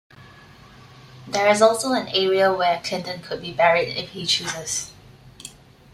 There is also an area where Clinton could be buried if he chooses.